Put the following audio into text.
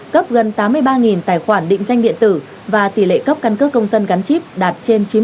cấp gần tám mươi ba tài khoản định danh điện tử và tỷ lệ cấp căn cước công dân gắn chip đạt trên chín mươi